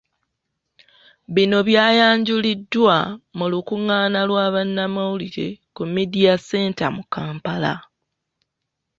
Bino byayanjuliddwa mu lukungaana lwa Bannamawulire ku Media Centre mu Kampala.